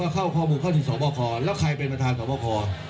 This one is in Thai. เข้าที่สคแล้วใครเป็นประธานสค